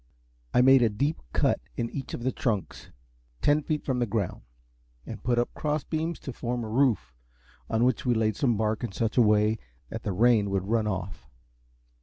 I made a deep cut in each of the trunks, ten feet from the ground, and put up cross beams to form a roof, on which we laid some bark in such a way that the rain would run off.